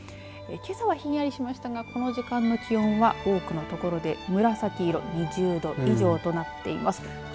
けさは、ひんやりしましたがこの時間の気温は多くの所で紫色２０度以上となっています。